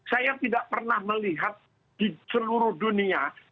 saya tidak pernah melihat di seluruh dunia